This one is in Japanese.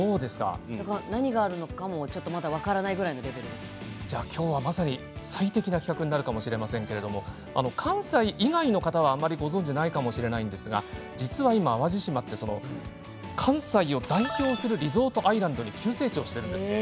何があるのかも、ちょっとまだまさに今日が最適な企画になるかもしれませんけど、関西以外の方はあまりご存じないかもしれないんですが実は今淡路島って関西を代表するリゾートアイランドに急成長しているんです。